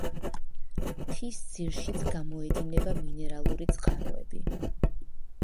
მთის ძირშიც გამოედინება მინერალური წყაროები.